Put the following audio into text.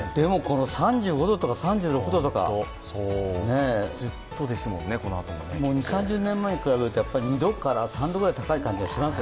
３５度とか、３６度とか２０３０年前に比べると２３度高い気がします。